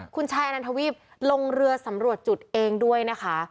คุณชายอนันทวีปลงเรือสำรวจจุดเองด้วยนะคะ